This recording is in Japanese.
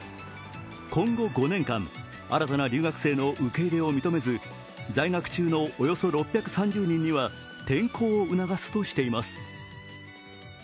今後５年間、新たな留学生の受け入れを認めず在学中のおよそ６３０人には転校を促すとしています。